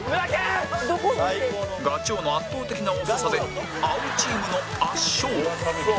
ガチ王の圧倒的な遅さで青チームの圧勝